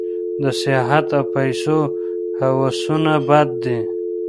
د سیاحت او پیسو هوسونه بد دي.